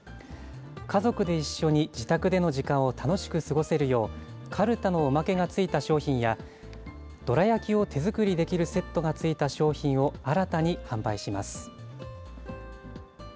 家族で一緒に自宅での時間を楽しく過ごせるよう、かるたのおまけが付いた商品や、どら焼きを手作りできるセットが付いた商品を新たに販売します。